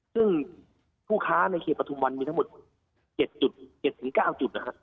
ซึ่งคือข้าในเกตปฐมมีทั้งหมด๗ถึง๙จุดนะฮะ